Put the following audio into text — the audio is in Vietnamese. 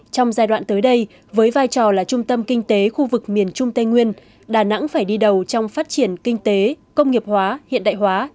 trong giai đoạn tới đây với vai trò là trung tâm kinh tế khu vực miền trung tây nguyên đà nẵng phải đi đầu trong phát triển kinh tế công nghiệp hóa hiện đại hóa